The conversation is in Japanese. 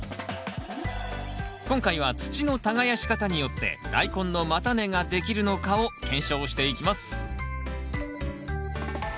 今回は土の耕し方によってダイコンの叉根ができるのかを検証していきます